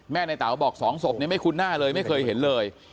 ในเต๋าบอก๒ศพนี้ไม่คุ้นหน้าเลยไม่เคยเห็นเลย